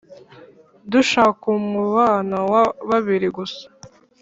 dushaka umubano wa babiri gusa